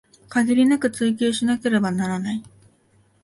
限りなく追求しなければならない